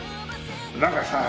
なんかさ